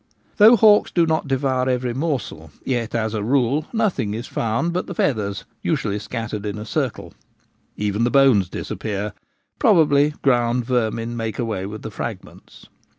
Though hawks do not devour every morsel, yet as a rule nothing is found but the feathers — usually scat tered in a circle. Even the bones disappear : probably ground vermin make away with the fragments.